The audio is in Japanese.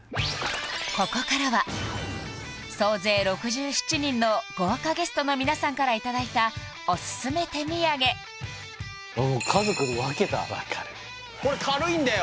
ここからは総勢６７人の豪華ゲストの皆さんからいただいたおすすめ手土産分かるこれ軽いんだよ